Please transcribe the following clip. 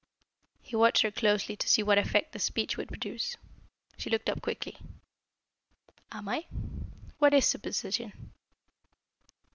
He watched her closely to see what effect the speech would produce. She looked up quickly. "Am I? What is superstition?"